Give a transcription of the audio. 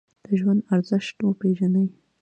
د ژوند ارزښت وپیژنئ